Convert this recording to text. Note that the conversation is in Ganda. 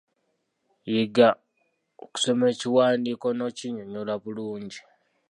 Yiga kusoma ekiwandiiko n'okinnyonnyola bulungi.